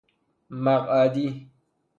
مقعدی